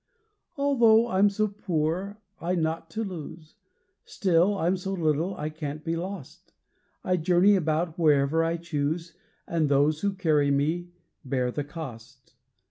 Although I'm so poor, I naught to lose; Still I'm so little I can't be lost! I journey about, wherever I choose, And those who carry me bear the cost.